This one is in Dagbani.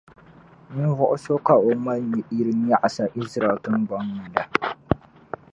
ninvuɣ’ so ka o ŋma yil’ nyaɣisa Izraɛl tiŋgbɔŋ ni la.